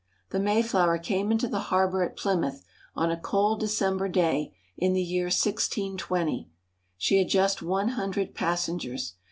The Mayjioiver came into the harbor at Plymouth on a cold December day in the year 1620. She had just one hundred passengers.